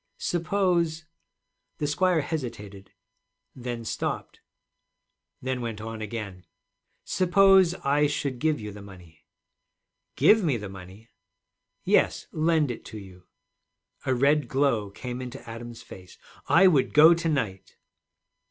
'Suppose,' the squire hesitated, then stopped, then went on again, 'suppose I should give you the money?' 'Give me the money!' 'Yes, lend it to you?' A red glow came into Adam's face. 'I would go to night.'